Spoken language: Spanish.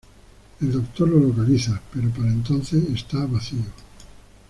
El Doctor lo localiza, pero para entonces está vacío.